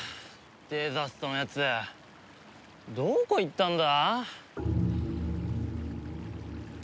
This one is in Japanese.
デザストのやつどこ行ったんだ？